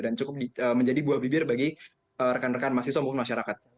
dan cukup menjadi buah bibir bagi rekan rekan mahasiswa dan masyarakat